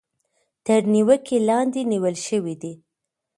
تر نېوکې لاندې نيول شوي دي.